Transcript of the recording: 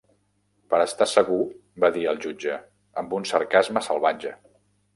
"Per estar segur" va dir el jutge, amb un sarcasme salvatge.